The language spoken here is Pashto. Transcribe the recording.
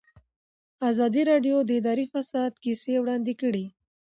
ازادي راډیو د اداري فساد کیسې وړاندې کړي.